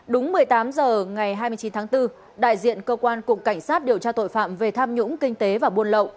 đúng một mươi tám h ngày hai mươi chín tháng bốn đại diện cơ quan cục cảnh sát điều tra tội phạm về tham nhũng kinh tế và buôn lậu